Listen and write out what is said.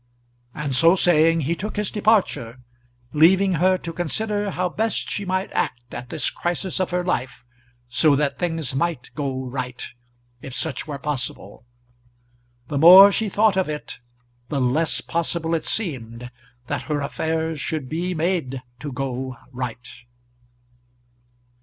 And so saying he took his departure, leaving her to consider how best she might act at this crisis of her life, so that things might go right, if such were possible. The more she thought of it, the less possible it seemed that her affairs should be made to go right.